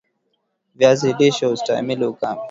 Viazi lishe hustahimili ukame